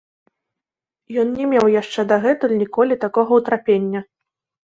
Ён не меў яшчэ дагэтуль ніколі такога ўтрапення.